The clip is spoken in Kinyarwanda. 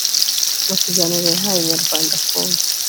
mu kiganiro yahaye inyarwandacom,